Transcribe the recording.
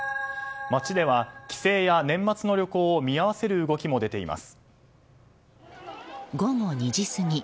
街では帰省や年末の旅行を見合わせる動きも午後２時過ぎ。